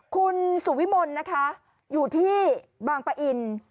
คุณสุวิมลนะคะอยู่ที่บางปะอิน